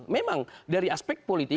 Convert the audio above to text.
memang dari aspek politik